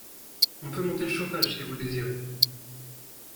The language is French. On peut monter le chauffage si vous le désirez.